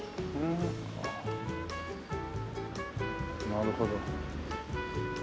なるほど。